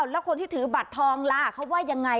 แล้วคนที่ถือบัตรทองล่ะเขาว่ายังไง